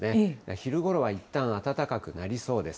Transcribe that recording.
昼ごろはいったん、暖かくなりそうです。